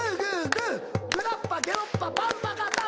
ゲロッパゲロッパパンパカパン。